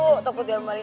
untuk bergambar ini